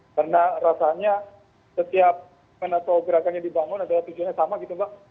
karena rasanya setiap menato gerakan yang dibangun adalah tujuannya sama gitu mbak